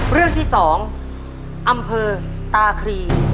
เรื่องที่๒อำเภอตาครี